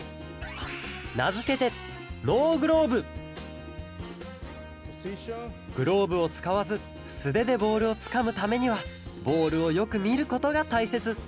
なづけてグローブをつかわずすででボールをつかむためにはボールをよくみることがたいせつ。